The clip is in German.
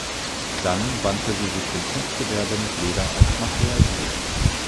Dann wandte sie sich dem Kunstgewerbe mit Leder als Material zu.